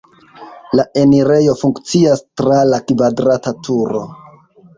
La enirejo funkcias tra la kvadrata turo.